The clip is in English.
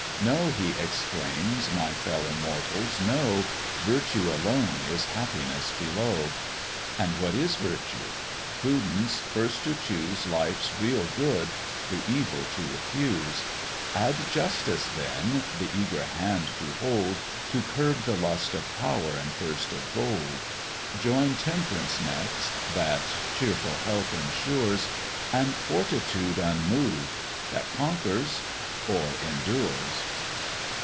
"Know," he exclaims, "my fellow mortals, know, Virtue alone is happiness below; And what is virtue? prudence first to choose Life's real good, the evil to refuse; Add justice then, the eager hand to hold, To curb the lust of power and thirst of gold; Join temp'rance next, that cheerful health ensures. And fortitude unmoved, that conquers or endures."